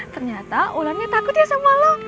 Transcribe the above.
ternyata ularnya takut ya sama lo